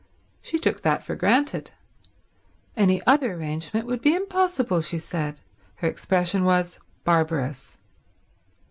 She took that for granted. Any other arrangement would be impossible, she said; her expression was, Barbarous.